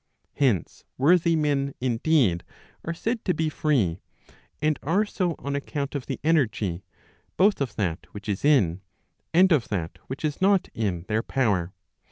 Hence worthy men, indeed, are said to be free, and are so on account of the energy both of that which is in, and of that which is not in their power.